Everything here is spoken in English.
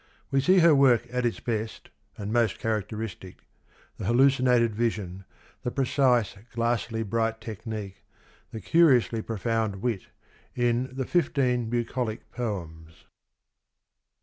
We see her work at its best, and most characteristic — the hallucinated vision, the precise glassily bright technique, the curiously profound wit, in the ' Fifteen Bucolic Poems.'